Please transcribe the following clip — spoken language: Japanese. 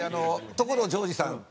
「所ジョージさん